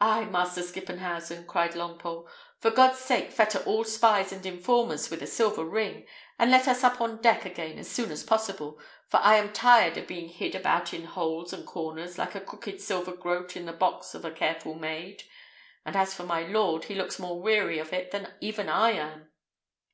"Ay, Master Skippenhausen," cried Longpole; "for God's sake fetter all spies and informers with a silver ring, and let us up on deck again as soon as possible, for I am tired of being hid about in holes and corners, like a crooked silver groat in the box of a careful maid; and as for my lord, he looks more weary of it than even I am."